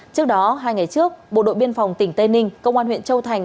trước đó hai ngày trước bộ đội biên phòng tỉnh tây ninh công an huyện châu thành